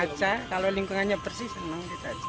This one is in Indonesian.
kalau lingkungannya persis senang